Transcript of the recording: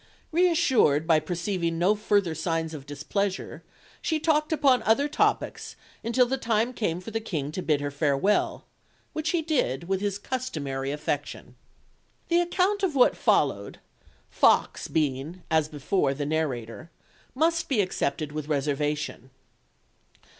Reassured by perceiving no further signs of displeasure, she talked upon other topics until the time came for the King to bid her farewell, which he did with his customary affection. The account of what followed Foxe being, as before, the narrator must be accepted with reservation.